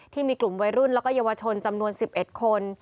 ที่มีกลุ่มวัยรุ่นแล้วก็เยาวชนจำนวน๑๑คน